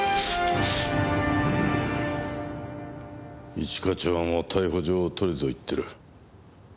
一課長も逮捕状を取れと言ってる。